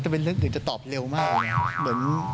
แต่เป็นเรื่องที่จะตอบเร็วมากนะ